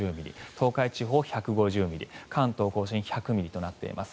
東海地方、１５０ミリ関東・甲信、１００ミリとなっています。